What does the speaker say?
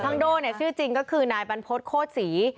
ช่างโดเนี่ยชื่อจริงก็คือนายบรรพสโคตรศรี